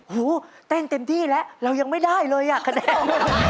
เต้นเต็มที่แล้วเรายังไม่ได้เลยอ่ะคะแนน